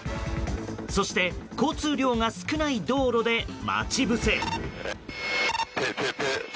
そして、交通量が少ない道路で待ち伏せ。